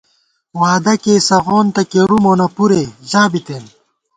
وعدہ کېئ سغون تہ کیرُؤ مونہ پُرے ژا بِتېن